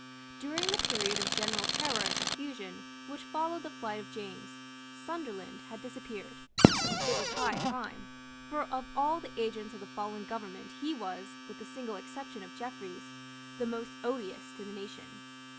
During that period of general terror and confusion which followed the flight of James, Sunderland had disappeared. It was high time; for of all the agents of the fallen government he was, with the single exception of Jeffreys, the most odious to the nation.